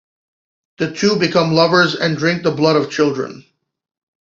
The two become lovers and drink the blood of children.